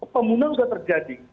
pembunuhan sudah terjadi